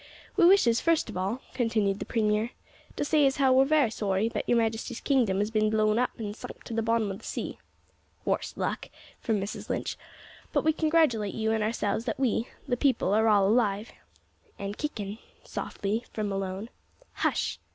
"We wishes, first of all," continued the premier, "to say as how we're very sorry that your majesty's kingdom has bin blowed up an' sunk to the bottom o' the sea," ("Worse luck!" from Mrs Lynch), "but we congratulate you an' ourselves that we, the people, are all alive," ("an' kickin'," softly, from Malone "Hush!"